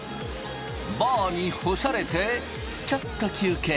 バーに干されてちょっと休憩。